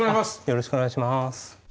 よろしくお願いします。